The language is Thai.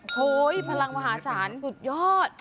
พลังมหาศาลสุดยอด